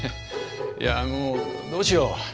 いやもうどうしよう。